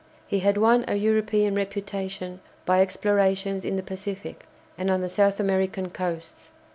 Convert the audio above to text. He had won a European reputation by explorations in the Pacific and on the South American coasts.